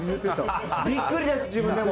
びっくりです、自分でも。